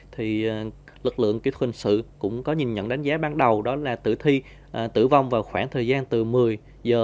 thì lực lượng kỹ thuật hình sự cũng có nhìn nhận đánh giá ban đầu đó là tử thi tử vong vào khoảng thời gian từ một mươi giờ